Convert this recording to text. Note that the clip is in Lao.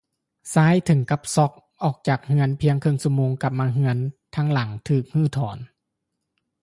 ຊາຍເຖິງກັບຊັອກ! ອອກຈາກເຮືອນພຽງເຄິ່ງຊົ່ວໂມງ ກັບມາເຮືອນທັ້ງຫຼັງຖືກຮື້ຖອນ